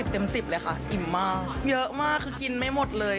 เต็ม๑๐เลยค่ะอิ่มมากเยอะมากคือกินไม่หมดเลย